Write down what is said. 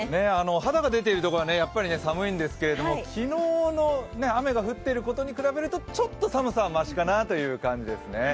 肌が出ているところはやっぱり寒いんですけども、昨日の雨が降っていることに比べるとちょっと寒さはましかなという感じですね。